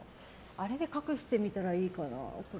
これで隠したらいいかな？